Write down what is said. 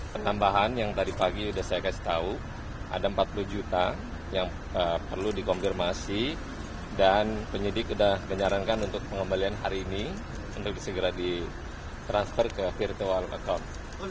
penambahan yang tadi pagi sudah saya kasih tahu ada empat puluh juta yang perlu dikonfirmasi dan penyidik sudah menyarankan untuk pengembalian hari ini untuk segera ditransfer ke virtual actor